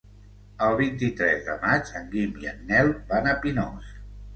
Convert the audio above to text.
El vint-i-tres de maig en Guim i en Nel van a Pinós.